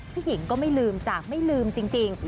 หญิงก็ไม่ลืมจ้ะไม่ลืมจริง